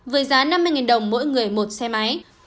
với giá năm mươi đồng mỗi người một xe máy